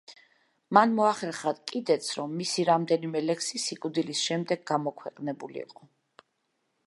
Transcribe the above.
მან მოახერხა კიდეც, რომ მისი რამდენიმე ლექსი სიკვდილის შემდეგ გამოქვეყნებულიყო.